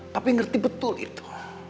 papi ngerti betul itu